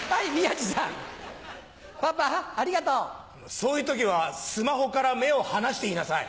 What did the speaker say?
そういう時はスマホから目を離して言いなさい。